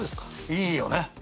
いいよね！